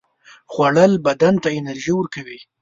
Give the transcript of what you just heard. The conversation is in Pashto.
خوړل بدن ته انرژي ورکوي